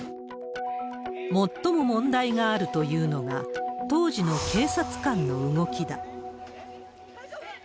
最も問題があるというのが、当時の警察官の動きだ。